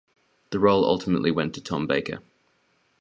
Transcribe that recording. The role ultimately went to Tom Baker.